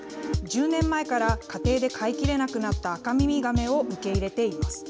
１０年前から、家庭で飼いきれなくなったアカミミガメを受け入れています。